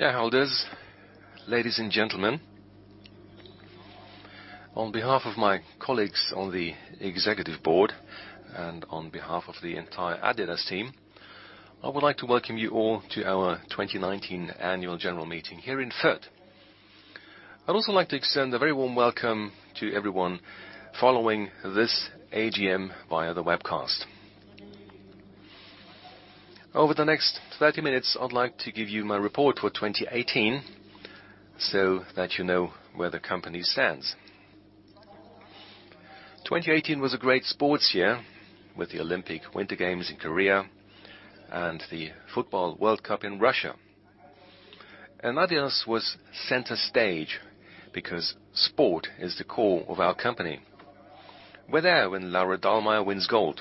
Shareholders, ladies and gentlemen. On behalf of my colleagues on the executive board and on behalf of the entire adidas team, I would like to welcome you all to our 2019 Annual General Meeting here in Fürth. I'd also like to extend a very warm welcome to everyone following this AGM via the webcast. Over the next 30 minutes, I'd like to give you my report for 2018 so that you know where the company stands. 2018 was a great sports year with the Olympic Winter Games in Korea and the Football World Cup in Russia. adidas was center stage because sport is the core of our company. We're there when Laura Dahlmeier wins gold.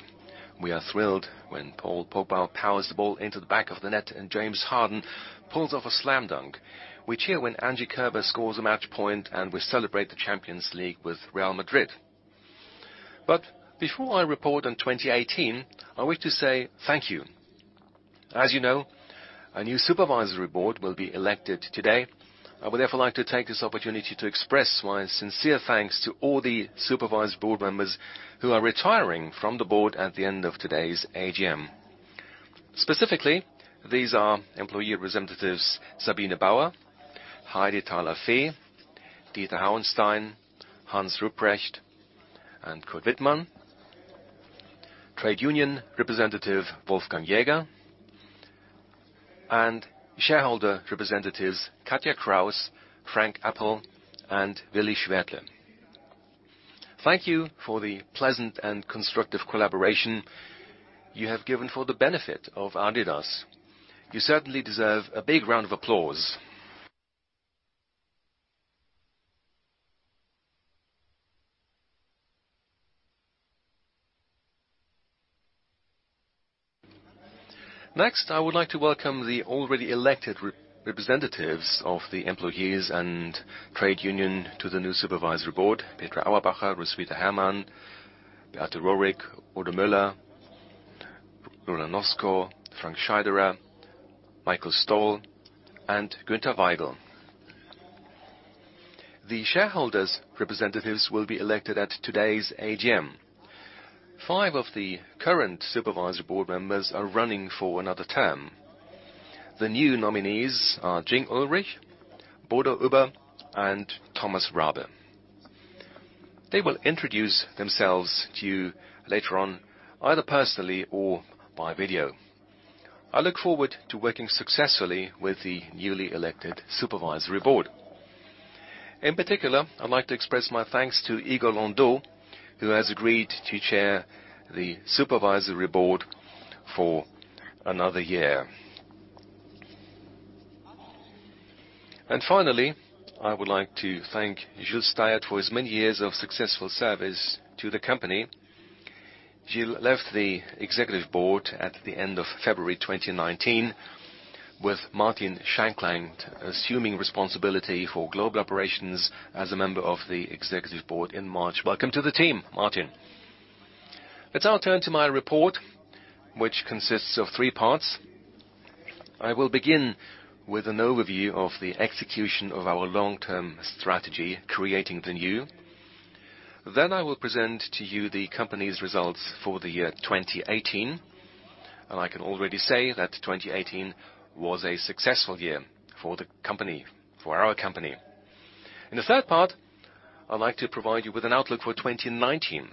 We are thrilled when Paul Pogba powers the ball into the back of the net and James Harden pulls off a slam dunk. We cheer when Angie Kerber scores a match point, we celebrate the Champions League with Real Madrid. Before I report on 2018, I wish to say thank you. As you know, a new supervisory board will be elected today. I would therefore like to take this opportunity to express my sincere thanks to all the supervisory board members who are retiring from the board at the end of today's AGM. Specifically, these are employee representatives Sabine Bauer, Heidi Thaler-Veh, Dieter Hauenstein, Hans Ruprecht, and Kurt Wittmann, trade union representative Wolfgang Jäger, and shareholder representatives Katja Kraus, Frank Appel, and Willi Schwerdtle. Thank you for the pleasant and constructive collaboration you have given for the benefit of adidas. You certainly deserve a big round of applause. I would like to welcome the already elected representatives of the employees and trade union to the new supervisory board, Petra Auerbacher, Roswitha Hermann, Beate Rohrick, Udo Müller, Roland Nosko, Frank Scheiderer, Michael Stoll, and Günter Weigl. The shareholders' representatives will be elected at today's AGM. Five of the current supervisory board members are running for another term. The new nominees are Jing Ulrich, Bodo Uebber, and Thomas Rabe. They will introduce themselves to you later on, either personally or by video. I look forward to working successfully with the newly elected supervisory board. In particular, I'd like to express my thanks to Igor Landau, who has agreed to chair the supervisory board for another year. Finally, I would like to thank Gil Steyaert for his many years of successful service to the company. Gil left the executive board at the end of February 2019 with Martin Shankland assuming responsibility for global operations as a member of the executive board in March. Welcome to the team, Martin. Let's now turn to my report, which consists of three parts. I will begin with an overview of the execution of our long-term strategy, Creating the New. I will present to you the company's results for the year 2018, and I can already say that 2018 was a successful year for our company. In the third part, I'd like to provide you with an outlook for 2019.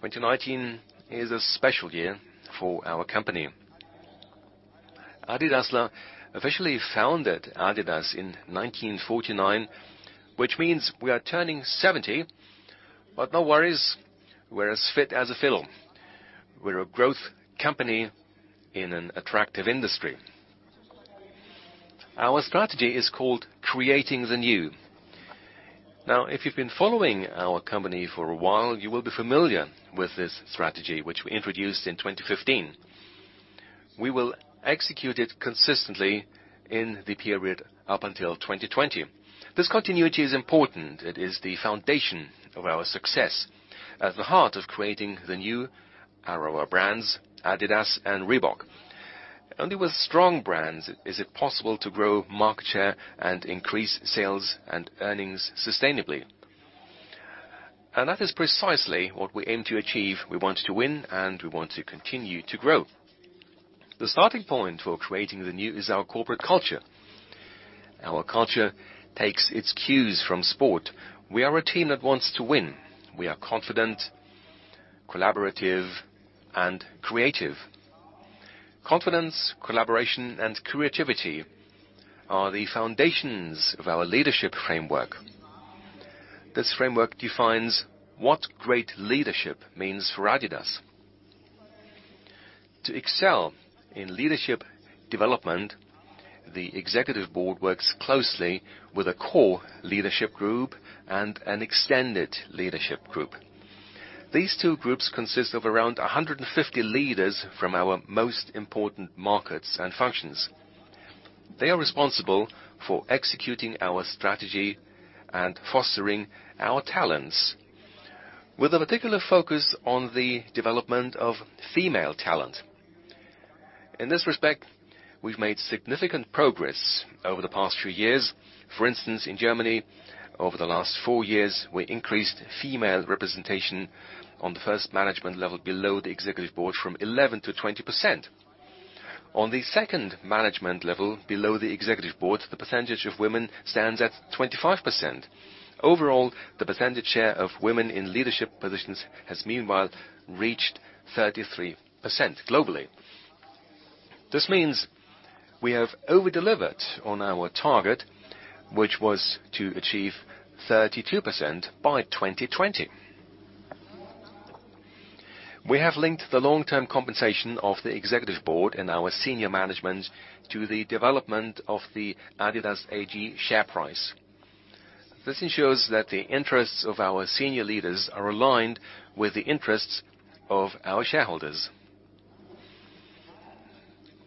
2019 is a special year for our company. Adolf Dassler officially founded adidas in 1949, which means we are turning 70. No worries, we're as fit as a fiddle. We're a growth company in an attractive industry. Our strategy is called Creating the New. If you've been following our company for a while, you will be familiar with this strategy, which we introduced in 2015. We will execute it consistently in the period up until 2020. This continuity is important. It is the foundation of our success. At the heart of Creating the New are our brands, adidas and Reebok. Only with strong brands is it possible to grow market share and increase sales and earnings sustainably. That is precisely what we aim to achieve. We want to win, and we want to continue to grow. The starting point for Creating the New is our corporate culture. Our culture takes its cues from sport. We are a team that wants to win. We are confident, collaborative, and creative. Confidence, collaboration, and creativity are the foundations of our leadership framework. This framework defines what great leadership means for adidas. To excel in leadership development, the executive board works closely with a core leadership group and an extended leadership group. These two groups consist of around 150 leaders from our most important markets and functions. They are responsible for executing our strategy and fostering our talents. With a particular focus on the development of female talent. In this respect, we've made significant progress over the past few years. For instance, in Germany, over the last four years, we increased female representation on the first management level below the executive board from 11% to 20%. On the second management level below the executive board, the percentage of women stands at 25%. Overall, the percentage share of women in leadership positions has meanwhile reached 33% globally. This means we have over-delivered on our target, which was to achieve 32% by 2020. We have linked the long-term compensation of the executive board and our senior management to the development of the adidas AG share price. This ensures that the interests of our senior leaders are aligned with the interests of our shareholders.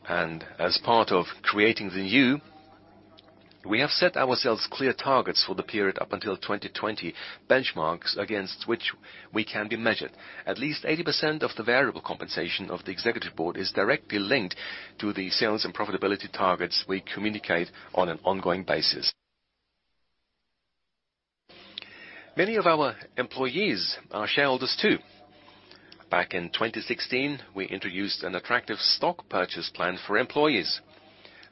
As part of Creating the New, we have set ourselves clear targets for the period up until 2020, benchmarks against which we can be measured. At least 80% of the variable compensation of the executive board is directly linked to the sales and profitability targets we communicate on an ongoing basis. Many of our employees are shareholders, too. Back in 2016, we introduced an attractive stock purchase plan for employees.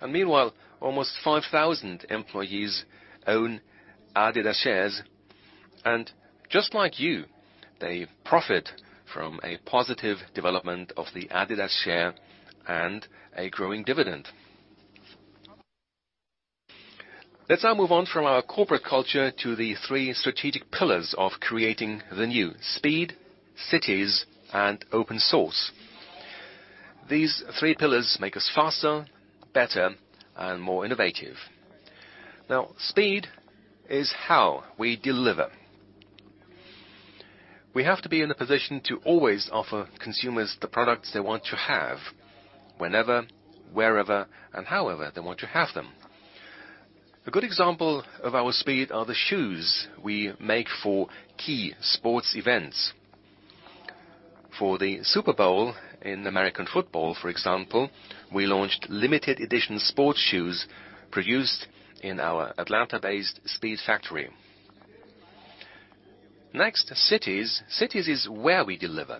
Meanwhile, almost 5,000 employees own adidas shares. Just like you, they profit from a positive development of the adidas share and a growing dividend. Let's now move on from our corporate culture to the three strategic pillars of Creating the New: speed, cities, and open source. These three pillars make us faster, better, and more innovative. Speed is how we deliver. We have to be in a position to always offer consumers the products they want to have, whenever, wherever, and however they want to have them. A good example of our speed are the shoes we make for key sports events. For the Super Bowl in American football, for example, we launched limited edition sports shoes produced in our Atlanta-based Speedfactory. Next, cities. Cities is where we deliver.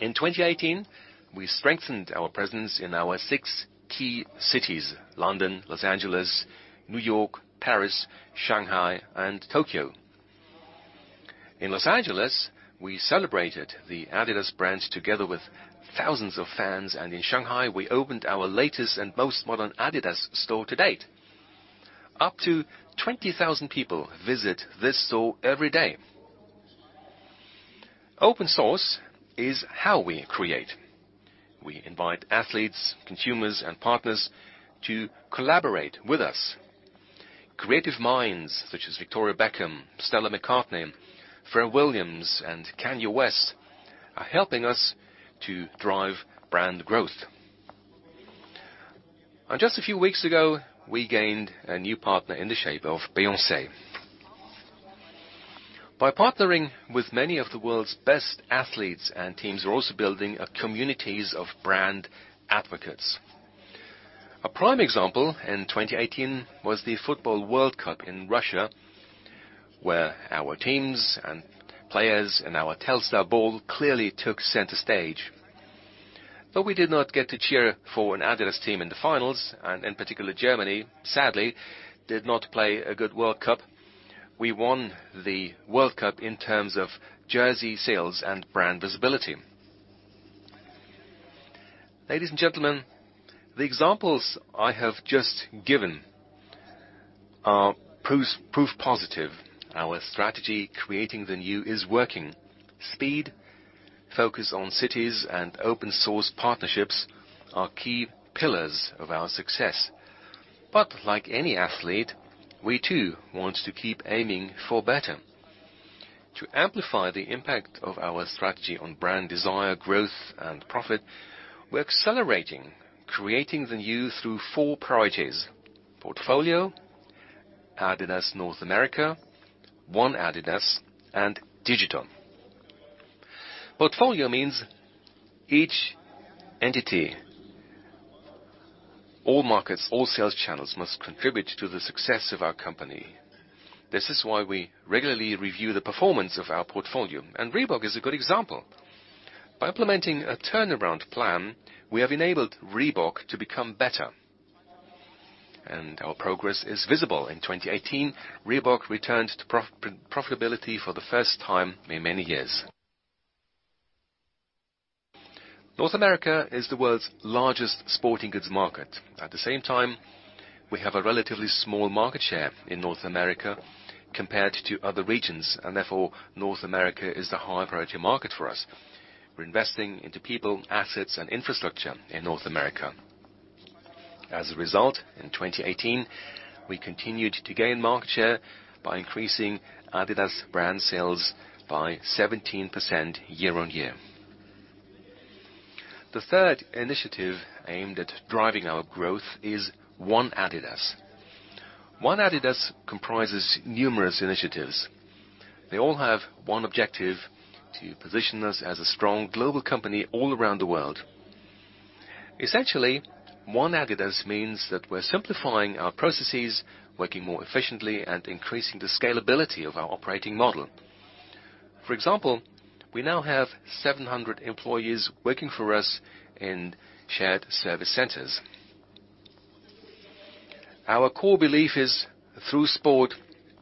In 2018, we strengthened our presence in our six key cities, London, Los Angeles, New York, Paris, Shanghai, and Tokyo. In Los Angeles, we celebrated the adidas brand together with thousands of fans. In Shanghai, we opened our latest and most modern adidas store to date. Up to 20,000 people visit this store every day. Open source is how we create. We invite athletes, consumers, and partners to collaborate with us. Creative minds such as Victoria Beckham, Stella McCartney, Pharrell Williams, and Kanye West are helping us to drive brand growth. Just a few weeks ago, we gained a new partner in the shape of Beyoncé. By partnering with many of the world's best athletes and teams, we're also building communities of brand advocates. A prime example in 2018 was the Football World Cup in Russia, where our teams and players and our Telstar ball clearly took center stage. Though we did not get to cheer for an adidas team in the finals, in particular, Germany sadly did not play a good World Cup, we won the World Cup in terms of jersey sales and brand visibility. Ladies and gentlemen, the examples I have just given are proof positive our strategy, Creating the New, is working. Speed, focus on cities, and open source partnerships are key pillars of our success. Like any athlete, we too want to keep aiming for better. To amplify the impact of our strategy on brand desire, growth, and profit, we're accelerating Creating the New through four priorities: portfolio, adidas North America, ONE adidas, and digital. Portfolio means each entity, all markets, all sales channels must contribute to the success of our company. This is why we regularly review the performance of our portfolio, and Reebok is a good example. By implementing a turnaround plan, we have enabled Reebok to become better, and our progress is visible. In 2018, Reebok returned to profitability for the first time in many years. North America is the world's largest sporting goods market. At the same time, we have a relatively small market share in North America compared to other regions, and therefore, North America is a high-priority market for us. We're investing into people, assets, and infrastructure in North America. As a result, in 2018, we continued to gain market share by increasing adidas brand sales by 17% year-on-year. The third initiative aimed at driving our growth is ONE adidas. ONE adidas comprises numerous initiatives. They all have one objective: to position us as a strong global company all around the world. Essentially, ONE adidas means that we're simplifying our processes, working more efficiently, and increasing the scalability of our operating model. For example, we now have 700 employees working for us in shared service centers. Our core belief is through sport,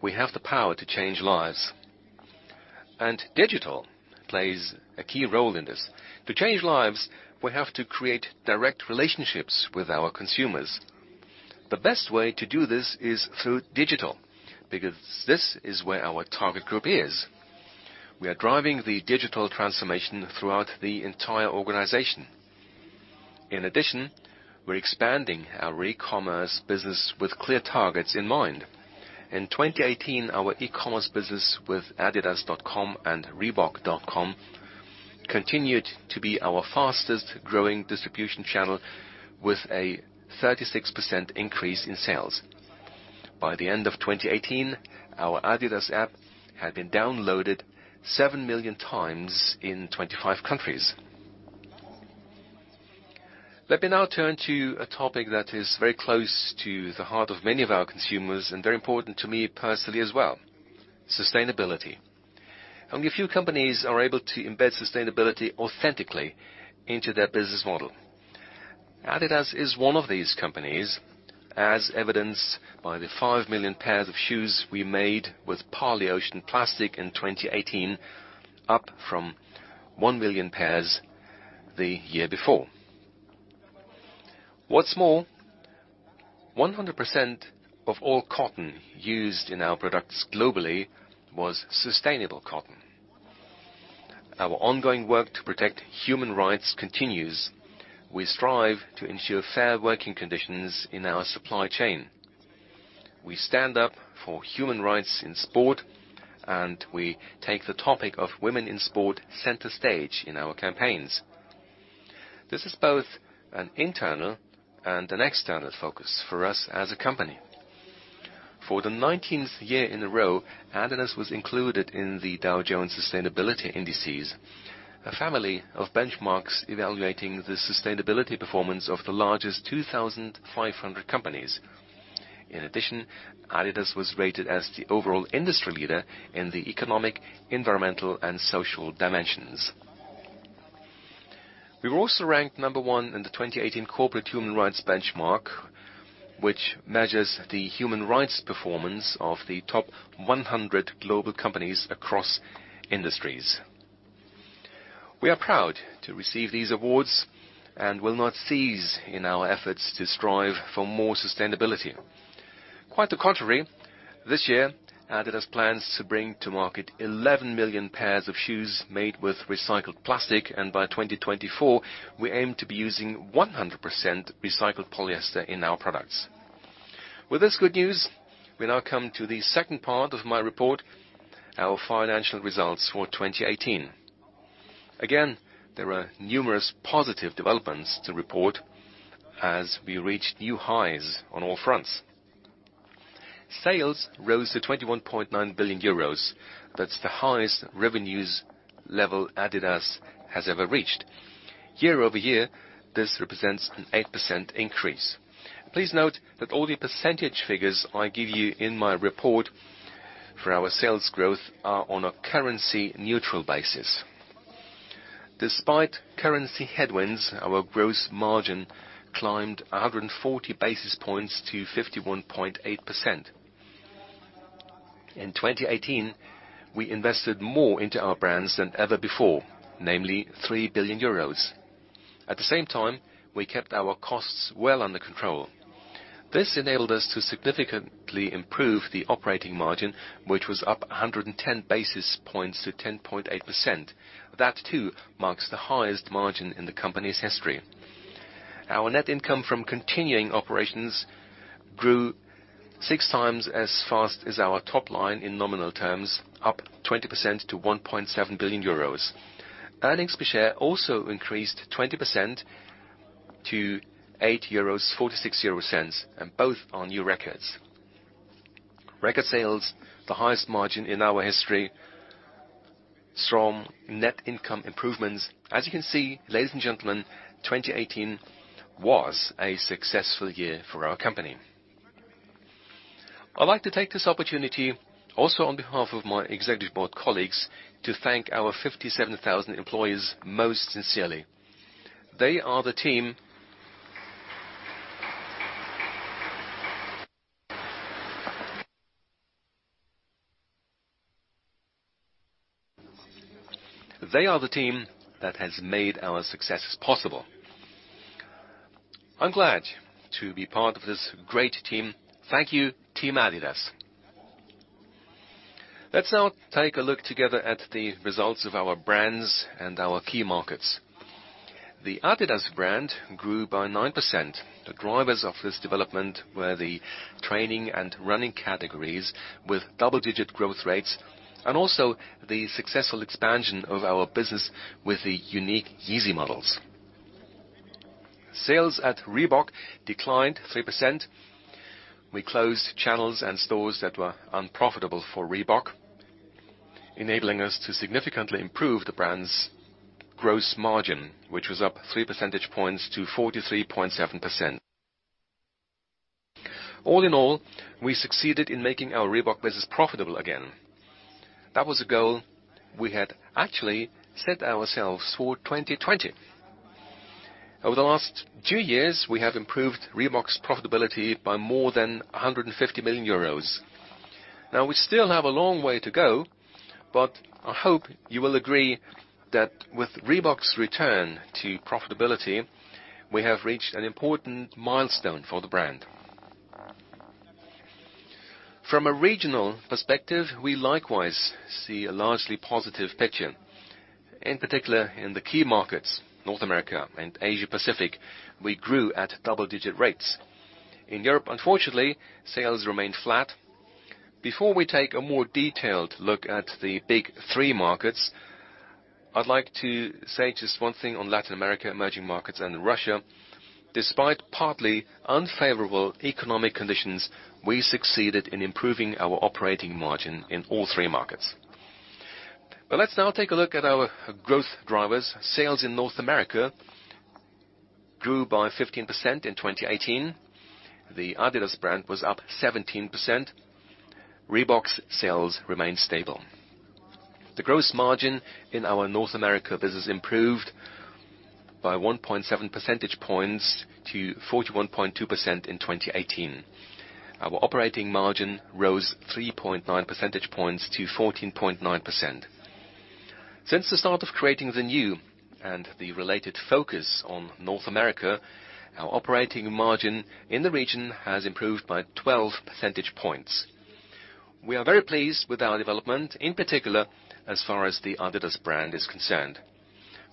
we have the power to change lives, and digital plays a key role in this. To change lives, we have to create direct relationships with our consumers. The best way to do this is through digital, because this is where our target group is. We are driving the digital transformation throughout the entire organization. In addition, we're expanding our e-commerce business with clear targets in mind. In 2018, our e-commerce business with adidas.com and reebok.com continued to be our fastest-growing distribution channel, with a 36% increase in sales. By the end of 2018, our adidas app had been downloaded seven million times in 25 countries. Let me now turn to a topic that is very close to the heart of many of our consumers and very important to me personally as well: sustainability. Only a few companies are able to embed sustainability authentically into their business model. adidas is one of these companies, as evidenced by the 5 million pairs of shoes we made with Parley Ocean Plastic in 2018, up from 1 million pairs the year before. What's more, 100% of all cotton used in our products globally was sustainable cotton. Our ongoing work to protect human rights continues. We strive to ensure fair working conditions in our supply chain. We stand up for human rights in sport, and we take the topic of women in sport center stage in our campaigns. This is both an internal and an external focus for us as a company. For the 19th year in a row, adidas was included in the Dow Jones Sustainability Indices, a family of benchmarks evaluating the sustainability performance of the largest 2,500 companies. In addition, adidas was rated as the overall industry leader in the economic, environmental, and social dimensions. We were also ranked number 1 in the 2018 Corporate Human Rights Benchmark, which measures the human rights performance of the top 100 global companies across industries. We are proud to receive these awards and will not cease in our efforts to strive for more sustainability. Quite the contrary, this year, adidas plans to bring to market 11 million pairs of shoes made with recycled plastic, and by 2024, we aim to be using 100% recycled polyester in our products. With this good news, we now come to the second part of my report, our financial results for 2018. There are numerous positive developments to report as we reach new highs on all fronts. Sales rose to 21.9 billion euros. That's the highest revenues level adidas has ever reached. Year-over-year, this represents an 8% increase. Please note that all the percentage figures I give you in my report for our sales growth are on a currency-neutral basis. Despite currency headwinds, our gross margin climbed 140 basis points to 51.8%. In 2018, we invested more into our brands than ever before, namely 3 billion euros. At the same time, we kept our costs well under control. This enabled us to significantly improve the operating margin, which was up 110 basis points to 10.8%. That, too, marks the highest margin in the company's history. Our net income from continuing operations grew six times as fast as our top line in nominal terms, up 20% to 1.7 billion euros. Earnings per share also increased 20% to 8.46 euros, and both are new records. Record sales, the highest margin in our history, strong net income improvements. As you can see, ladies and gentlemen, 2018 was a successful year for our company. I'd like to take this opportunity also on behalf of my executive board colleagues to thank our 57,000 employees most sincerely. They are the team that has made our successes possible. I'm glad to be part of this great team. Thank you, team adidas. Let's now take a look together at the results of our brands and our key markets. The adidas brand grew by 9%. The drivers of this development were the training and running categories with double-digit growth rates and also the successful expansion of our business with the unique Yeezy models. Sales at Reebok declined 3%. We closed channels and stores that were unprofitable for Reebok, enabling us to significantly improve the brand's gross margin, which was up three percentage points to 43.7%. All in all, we succeeded in making our Reebok business profitable again. That was a goal we had actually set ourselves for 2020. Over the last two years, we have improved Reebok's profitability by more than 150 million euros. We still have a long way to go, but I hope you will agree that with Reebok's return to profitability, we have reached an important milestone for the brand. From a regional perspective, we likewise see a largely positive picture. In particular, in the key markets, North America and Asia Pacific, we grew at double-digit rates. In Europe, unfortunately, sales remained flat. Before we take a more detailed look at the big three markets, I'd like to say just one thing on Latin America, emerging markets, and Russia. Despite partly unfavorable economic conditions, we succeeded in improving our operating margin in all three markets. Let's now take a look at our growth drivers. Sales in North America grew by 15% in 2018. The adidas brand was up 17%. Reebok sales remained stable. The gross margin in our North America business improved by 1.7 percentage points to 41.2% in 2018. Our operating margin rose 3.9 percentage points to 14.9%. Since the start of Creating the New and the related focus on North America, our operating margin in the region has improved by 12 percentage points. We are very pleased with our development, in particular, as far as the adidas brand is concerned.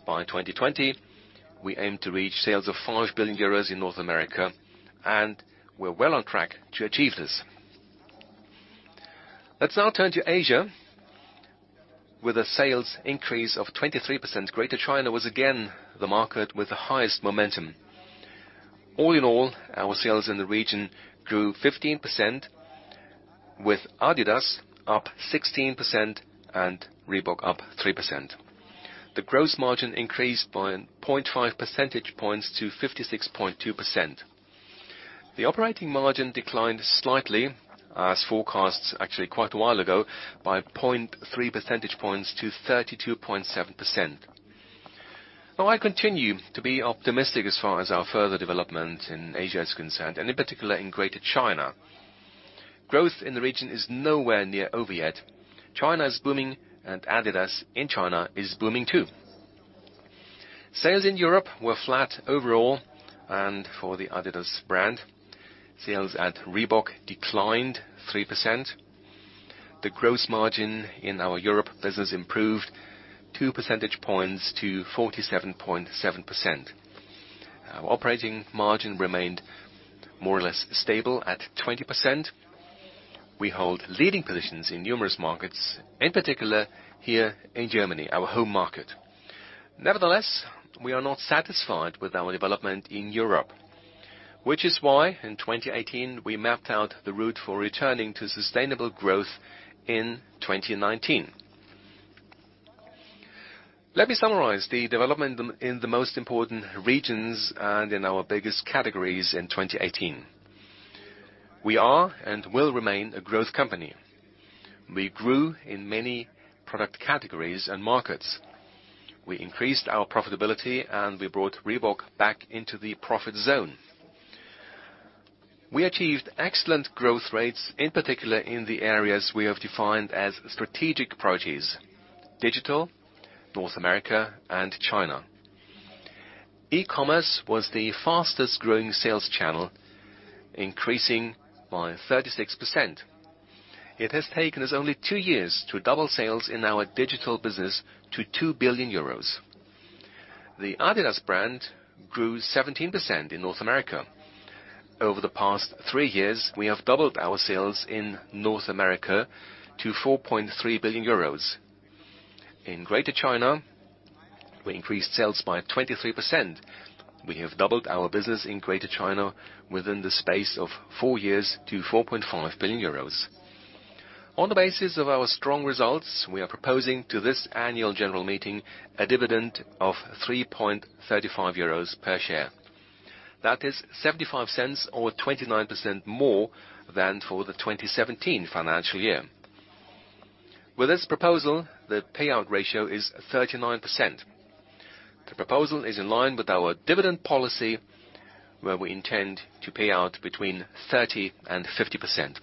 By 2020, we aim to reach sales of 5 billion euros in North America. We're well on track to achieve this. Let's now turn to Asia. With a sales increase of 23%, Greater China was again the market with the highest momentum. All in all, our sales in the region grew 15%, with adidas up 16% and Reebok up 3%. The gross margin increased by 0.5 percentage points to 56.2%. The operating margin declined slightly, as forecast actually quite a while ago, by 0.3 percentage points to 32.7%. I continue to be optimistic as far as our further development in Asia is concerned, and in particular in Greater China. Growth in the region is nowhere near over yet. China is booming, and adidas in China is booming, too. Sales in Europe were flat overall and for the adidas brand. Sales at Reebok declined 3%. The gross margin in our Europe business improved two percentage points to 47.7%. Our operating margin remained more or less stable at 20%. We hold leading positions in numerous markets, in particular here in Germany, our home market. Nevertheless, we are not satisfied with our development in Europe, which is why in 2018, we mapped out the route for returning to sustainable growth in 2019. Let me summarize the development in the most important regions and in our biggest categories in 2018. We are and will remain a growth company. We grew in many product categories and markets. We increased our profitability, and we brought Reebok back into the profit zone. We achieved excellent growth rates, in particular in the areas we have defined as strategic priorities: digital, North America, and China. E-commerce was the fastest-growing sales channel, increasing by 36%. It has taken us only two years to double sales in our digital business to 2 billion euros. The adidas brand grew 17% in North America. Over the past three years, we have doubled our sales in North America to 4.3 billion euros. In Greater China, we increased sales by 23%. We have doubled our business in Greater China within the space of four years to 4.5 billion euros. On the basis of our strong results, we are proposing to this AGM a dividend of 3.35 euros per share. That is 0.75 or 29% more than for the 2017 financial year. With this proposal, the payout ratio is 39%. The proposal is in line with our dividend policy, where we intend to pay out between 30% and 50%.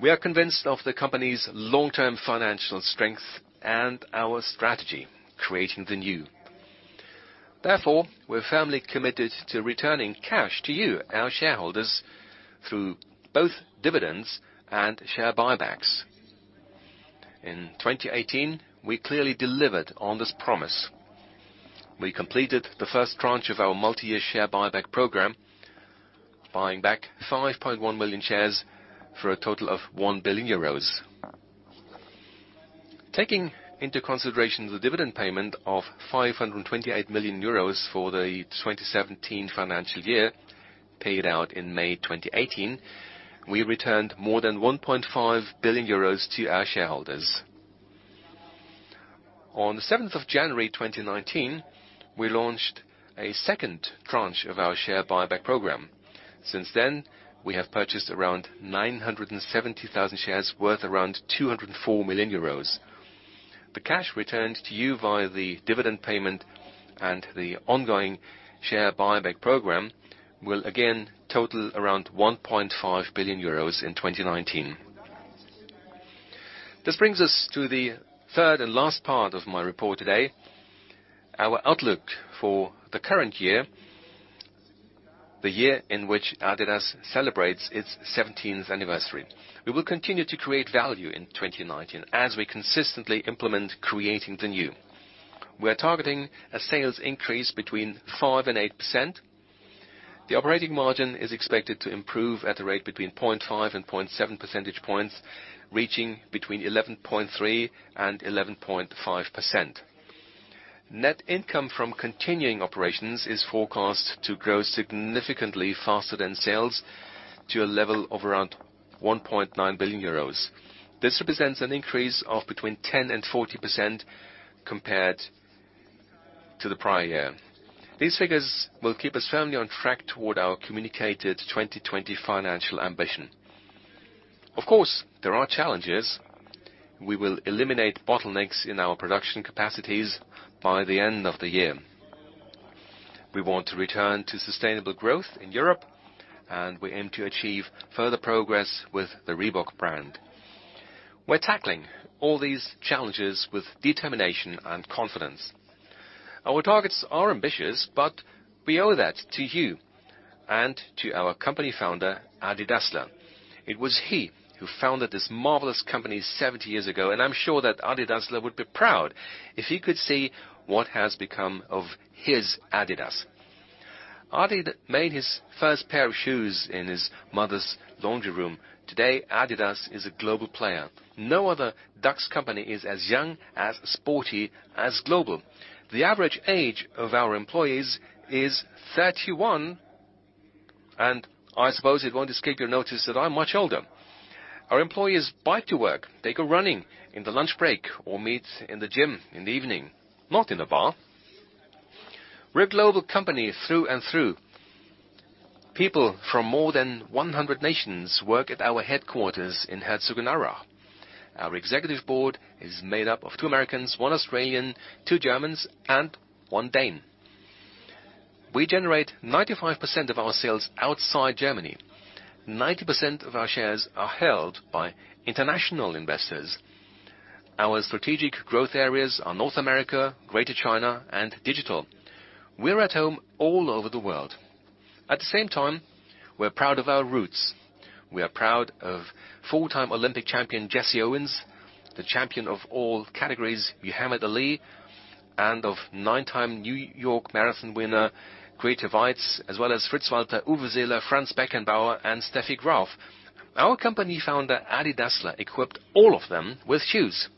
We are convinced of the company's long-term financial strength and our strategy, Creating the New. Therefore, we're firmly committed to returning cash to you, our shareholders, through both dividends and share buybacks. In 2018, we clearly delivered on this promise. We completed the first tranche of our multi-year share buyback program, buying back 5.1 million shares for a total of 1 billion euros. Taking into consideration the dividend payment of 528 million euros for the 2017 financial year, paid out in May 2018, we returned more than 1.5 billion euros to our shareholders. On the 7th of January 2019, we launched a second tranche of our share buyback program. Since then, we have purchased around 970,000 shares worth around 204 million euros. The cash returned to you via the dividend payment and the ongoing share buyback program will again total around 1.5 billion euros in 2019. This brings us to the third and last part of my report today, our outlook for the current year, the year in which adidas celebrates its 70th anniversary. We will continue to create value in 2019 as we consistently implement Creating the New. We're targeting a sales increase between 5% and 8%. The operating margin is expected to improve at a rate between 0.5 and 0.7 percentage points, reaching between 11.3% and 11.5%. Net income from continuing operations is forecast to grow significantly faster than sales to a level of around 1.9 billion euros. This represents an increase of between 10% and 40% compared to the prior year. These figures will keep us firmly on track toward our communicated 2020 financial ambition. Of course, there are challenges. We will eliminate bottlenecks in our production capacities by the end of the year. We want to return to sustainable growth in Europe, and we aim to achieve further progress with the Reebok brand. We're tackling all these challenges with determination and confidence. Our targets are ambitious, but we owe that to you and to our company founder, Adi Dassler. It was he who founded this marvelous company 70 years ago, and I'm sure that Adi Dassler would be proud if he could see what has become of his adidas. Adi made his first pair of shoes in his mother's laundry room. Today, adidas is a global player. No other DAX company is as young, as sporty, as global. The average age of our employees is 31, and I suppose it won't escape your notice that I'm much older. Our employees bike to work, they go running in the lunch break or meet in the gym in the evening, not in a bar. We're a global company through and through. People from more than 100 nations work at our headquarters in Herzogenaurach. Our executive board is made up of two Americans, one Australian, two Germans, and one Dane. We generate 95% of our sales outside Germany. 90% of our shares are held by international investors. Our strategic growth areas are North America, Greater China, and digital. We're at home all over the world. At the same time, we're proud of our roots. We are proud of full-time Olympic champion Jesse Owens, the champion of all categories, Muhammad Ali, and of nine-time New York Marathon winner, Grete Waitz, as well as Fritz Walter, Uwe Seeler, Franz Beckenbauer, and Steffi Graf. Our company founder, Adi Dassler, equipped all of them with shoes.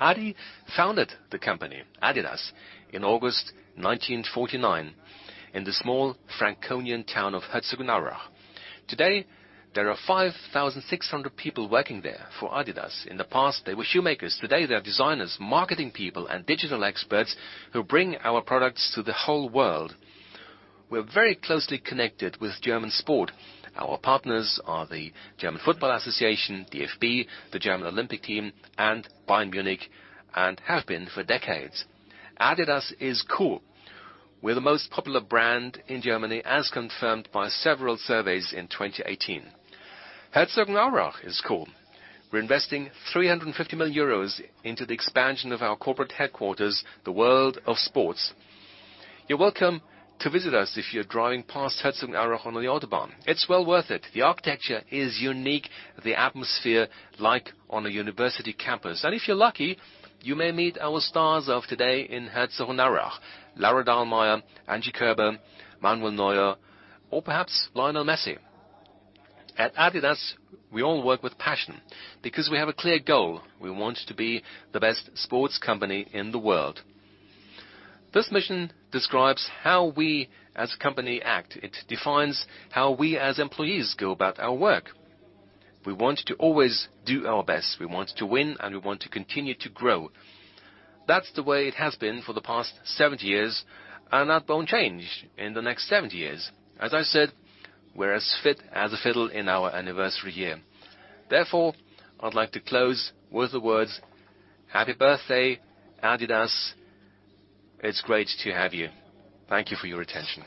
Adi founded the company, adidas, in August 1949 in the small Franconian town of Herzogenaurach. Today, there are 5,600 people working there for adidas. In the past, they were shoemakers. Today, they are designers, marketing people, and digital experts who bring our products to the whole world. We're very closely connected with German sport. Our partners are the German Football Association, DFB, the German Olympic team, and Bayern Munich, and have been for decades. adidas is cool. We're the most popular brand in Germany, as confirmed by several surveys in 2018. Herzogenaurach is cool. We're investing 350 million euros into the expansion of our corporate headquarters, the World of Sports. You're welcome to visit us if you're driving past Herzogenaurach on the Autobahn. It's well worth it. The architecture is unique, the atmosphere like on a university campus. If you're lucky, you may meet our stars of today in Herzogenaurach: Laura Dahlmeier, Angie Kerber, Manuel Neuer, or perhaps Lionel Messi. At adidas, we all work with passion because we have a clear goal. We want to be the best sports company in the world. This mission describes how we as a company act. It defines how we as employees go about our work. We want to always do our best. We want to win, and we want to continue to grow. That's the way it has been for the past 70 years, and that won't change in the next 70 years. As I said, we're as fit as a fiddle in our anniversary year. Therefore, I'd like to close with the words, happy birthday, adidas. It's great to have you. Thank you for your attention.